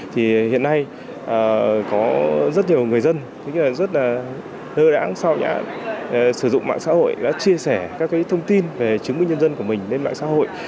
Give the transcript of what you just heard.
thì hiện nay có rất nhiều người dân rất là hơ đáng sau nhãn sử dụng mạng xã hội đã chia sẻ các cái thông tin về chứng minh nhân dân của mình lên mạng xã hội